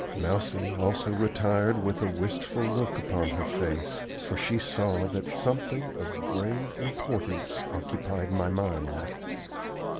Mousie also retired with a wistful look upon her face, for she saw that something of grave importance occupied my mind.